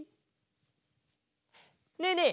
ねえねえ